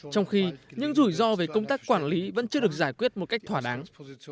trong khi những rủi ro về công tác quản lý vẫn chưa được giải quyết một cách thỏa đáng